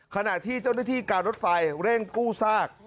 ขณะที่เจ้าหน้าที่การรถไฟเร่งกู้ซาก